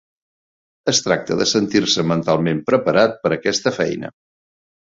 Es tracta de sentir-se mentalment preparat per aquesta feina.